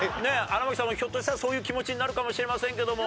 荒牧さんもひょっとしたらそういう気持ちになるかもしれませんけども。